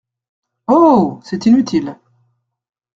Oh ! c’est inutile.